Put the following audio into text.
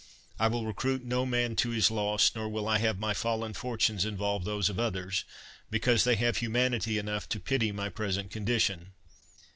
I will recruit no man to his loss, nor will I have my fallen fortunes involve those of others, because they have humanity enough to pity my present condition.